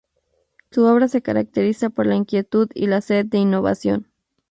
Su obra se caracteriza por la inquietud y la sed de innovación.